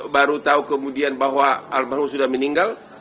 baru tahu kemudian bahwa almarhum sudah meninggal